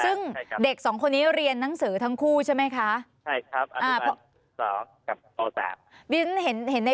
ซึ่งเด็กสองคนนี้เรียนหนังสือทั้งคู่ใช่ไหมคะ